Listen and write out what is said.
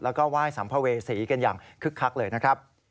แล้วก็ไหว้สัมภเวษีกันอย่างคึกคักเลยนะครับ